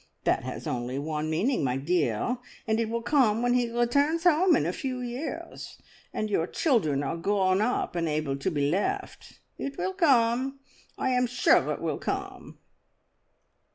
That has only one meaning, my dear, and it will come when he returns home in a few years, and your children are grown up and able to be left. It will come. I am sure it will come!"